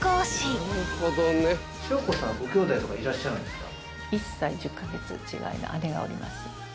しょうこさんごきょうだいとかいらっしゃるんですか？